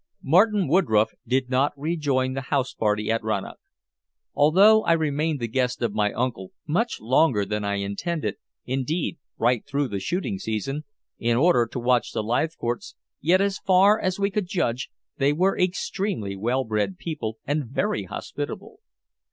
Martin Woodroffe did not rejoin the house party at Rannoch. Although I remained the guest of my uncle much longer than I intended, indeed right through the shooting season, in order to watch the Leithcourts, yet as far as we could judge they were extremely well bred people and very hospitable.